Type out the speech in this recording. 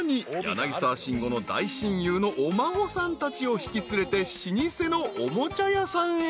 ［柳沢慎吾の大親友のお孫さんたちを引き連れて老舗のおもちゃ屋さんへ］